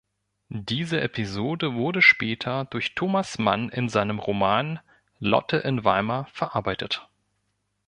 Diese Episode wurde später durch Thomas Mann in seinem Roman "Lotte in Weimar" verarbeitet.